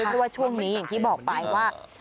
เพราะว่าช่วงนี้อย่างที่บอกไปว่า